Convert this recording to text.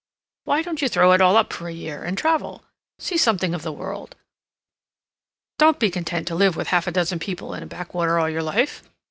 Why don't you throw it all up for a year, and travel?—see something of the world. Don't be content to live with half a dozen people in a backwater all your life.